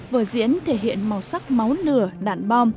vở diễn thể hiện màu sắc máu lửa đạn bom